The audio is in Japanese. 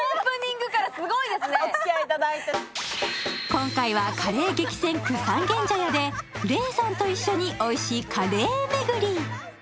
今回は、カレー激戦区三軒茶屋で、レーさんと一緒においしいカレー巡り。